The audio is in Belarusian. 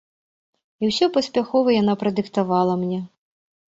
І ўсё паспяхова яна прадыктавала мне.